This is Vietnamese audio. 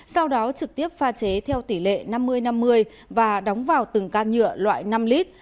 sau đó trực tiếp pha chế theo tỷ lệ năm mươi năm mươi và đóng vào từng can nhựa loại năm lít